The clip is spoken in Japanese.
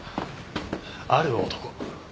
ある男？